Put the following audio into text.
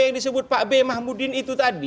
yang disebut pak b mahmudin itu tadi